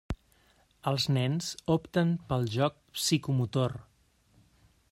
Els nens opten pel joc psicomotor.